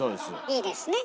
いいですね